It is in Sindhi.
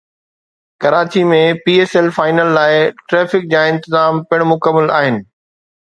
Karachi ۾ P S L final لاءِ ٽريفڪ جا انتظام پڻ مڪمل آهن